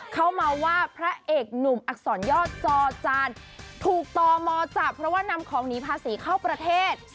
เข้ามาว่าพระเอกหนุ่มอักษรยอดจอจานถูกตมจับเพราะว่านำของหนีภาษีเข้าประเทศ